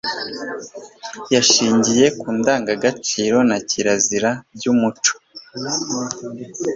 yashingiye ku ndangagaciro na kirazira by umuco